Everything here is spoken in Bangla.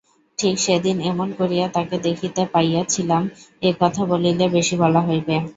ঠিক সেদিন এমন করিয়া তাকে দেখিতে পাইয়াছিলাম, এ কথা বলিলে বেশি বলা হইবে।